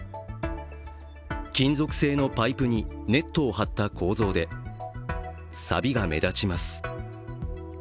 金属製のパイプにネットを張った構造でさびが目立ちます。